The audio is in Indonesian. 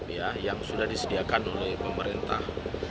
ya yang sudah disediakan oleh pemerintah